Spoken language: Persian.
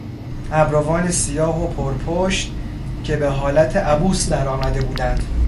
ابروان سیاه و پر پشت که به حالت عبوس درآمده بودند